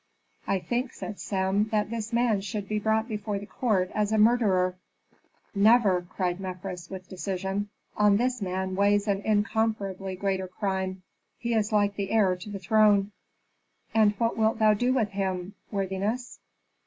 "I think," said Sem, "that this man should be brought before the court as a murderer." "Never!" cried Mefres, with decision. "On this man weighs an incomparably greater crime, he is like the heir to the throne." "And what wilt thou do with him, worthiness?"